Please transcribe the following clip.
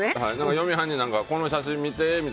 嫁はんが、この写真見て？